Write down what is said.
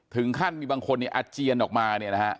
ถึงขั้นมีบางคนอาจเจียนออกมา